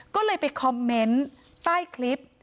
ก็เลยไปคอมเมนต์ใต้คลิป